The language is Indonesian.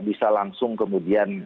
bisa langsung kemudian